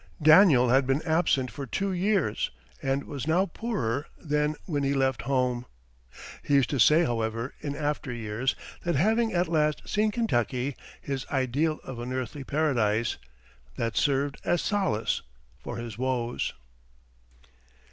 Daniel had been absent for two years, and was now poorer than when he left home. He used to say, however, in after years, that having at last seen Kentucky, his ideal of an earthly paradise, that served as solace for his woes.